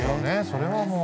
それはもう。